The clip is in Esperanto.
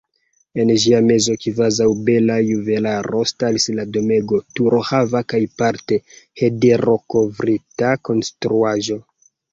En ĝia mezo, kvazaŭ bela juvelaro, staris la domego, turohava kaj parte hederokovrita konstruaĵo.